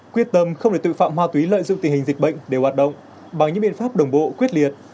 quyết tâm không để tội phạm ma túy lợi dụng tình hình dịch bệnh để hoạt động bằng những biện pháp đồng bộ quyết liệt